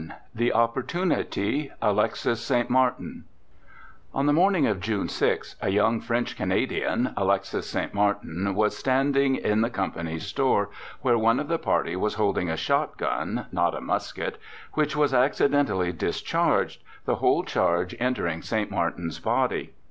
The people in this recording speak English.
The Opportunity— Alexis St. Martin On the morning of June 6 a young French Canadian, Alexis St. Martin, was standing in the company's store, ' where one of the party was holding a shotgun (not a musket), which was accidentally discharged, the whole charge entering St. Martin's body.